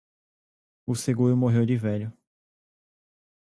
O seguro morreu de velho.